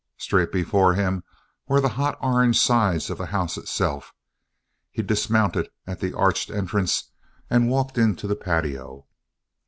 Straight before him were the hot orange sides of the house itself. He dismounted at the arched entrance and walked into the patio.